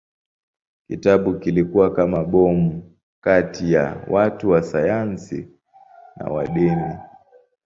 Kitabu kilikuwa kama bomu kati ya watu wa sayansi na wa dini.